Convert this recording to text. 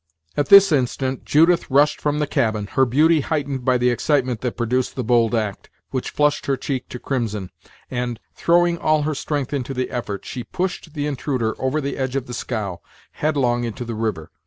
At this instant Judith rushed from the cabin, her beauty heightened by the excitement that produced the bold act, which flushed her cheek to crimson, and, throwing all her strength into the effort, she pushed the intruder over the edge of the scow, headlong into the river.